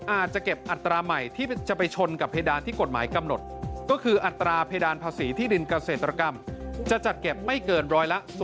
อาจจะเก็บอัตราใหม่ที่จะไปชนกับเพดานที่กฎหมายกำหนดก็คืออัตราเพดานภาษีที่ดินเกษตรกรรมจะจัดเก็บไม่เกินร้อยละ๑๐